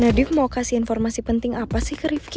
nadief mau kasih informasi penting apa sih ke rifki